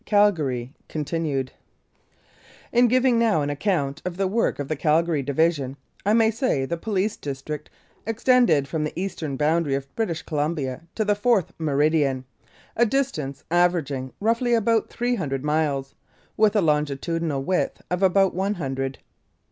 CALGARY (continued) IN giving now an account of the work of the Calgary Division, I may say the Police District extended from the eastern boundary of British Columbia to the fourth meridian, a distance averaging roughly about three hundred miles, with a longitudinal width of about one hundred.